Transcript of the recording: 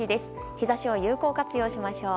日差しを有効活用しましょう。